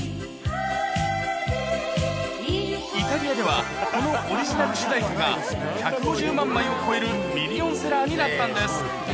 イタリアではこのオリジナル主題歌が、１５０万枚を超えるミリオンセラーになったんです。